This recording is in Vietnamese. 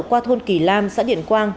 qua thôn kỳ lam xã điện quang